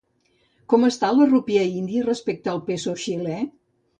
Com està la rúpia índia respecte peso xilè?